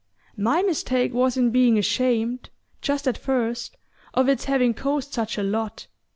My mistake was in being ashamed, just at first, of its having cost such a lot.